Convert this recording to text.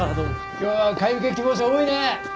今日は買い受け希望者多いねえ。